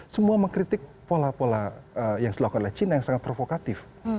semua mengkritik pola pola yang dilakukan oleh china yang sangat provokatif